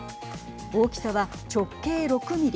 大きさは直径６ミリ